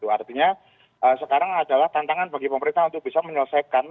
artinya sekarang adalah tantangan bagi pemerintah untuk bisa menyelesaikan